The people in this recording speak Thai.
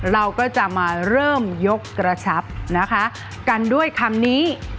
เราก็จะมาเริ่มยกกระชับนะคะกันด้วยคำนี้